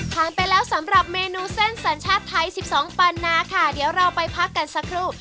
ผ่านไปแล้วสำหรับเมนูเส้นสัญชาติไทย๑๒ปันนาค่ะเดี๋ยวเราไปพักกันสักครู่